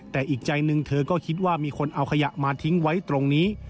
แต่อีกใจหนึ่งเธอก็คิดว่ามีคนเอาขยะมาทิ้งไว้ตรงนี้